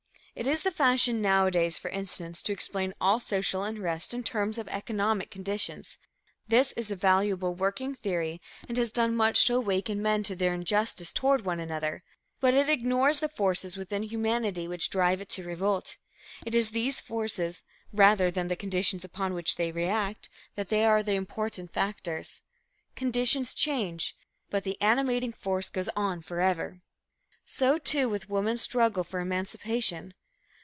It is the fashion nowadays, for instance, to explain all social unrest in terms of economic conditions. This is a valuable working theory and has done much to awaken men to their injustice toward one another, but it ignores the forces within humanity which drive it to revolt. It is these forces, rather than the conditions upon which they react, that are the important factors. Conditions change, but the animating force goes on forever. So, too, with woman's struggle for emancipation.